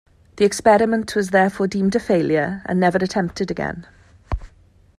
The experiment was therefore deemed a failure and never attempted again.